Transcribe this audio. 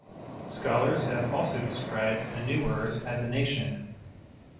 Scholars have also described the Newars as a nation.